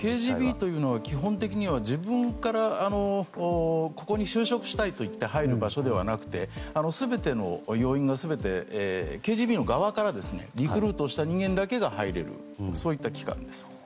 ＫＧＢというのは基本的には、自分からここに就職したいと言って入る場所ではなくてＫＧＢの側からリクルートした人間だけが入れるそういった機関です。